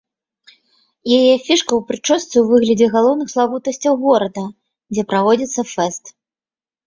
Яе фішка ў прычосцы ў выглядзе галоўных славутасцяў горада, дзе праводзіцца фэст.